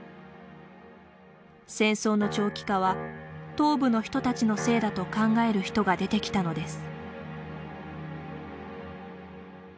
戦争の長期化は東部の人たちのせいだと考える人が出てきたのです。